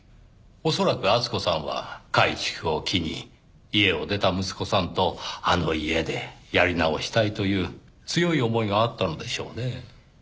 恐らく厚子さんは改築を機に家を出た息子さんとあの家でやり直したいという強い思いがあったのでしょうねぇ。